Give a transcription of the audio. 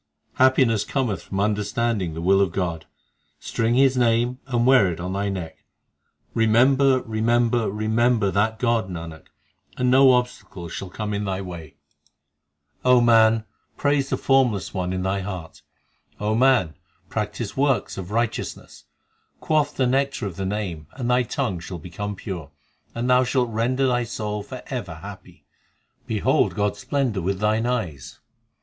Happiness cometh from understanding the will of God ; String His name and wear it on thy neck ; Remember, remember, remember that God, Nanak, and no obstacle shall come in thy way. 1 Exemption from transmigration. 240 THE SIKH RELIGION O man, praise the Formless One in thy heart ; O man, practise works of righteousness ; Quaff the nectar of the Name, and thy tongue shall become pure, And thou shalt render thy soul for ever happy. Behold God s splendour with thine eyes.